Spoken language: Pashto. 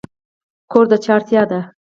کور د چا اړتیا ده؟